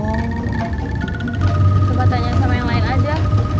coba tanya sama yang lain aja